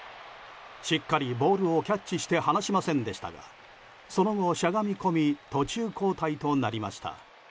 しっかりボールをキャッチして離しませんでしたがその後、しゃがみ込み途中交代となりました。